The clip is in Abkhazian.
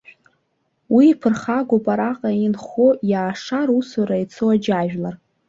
Уи иԥырхагоуп араҟа инхо, иаашар усура ицо аџьажәлар.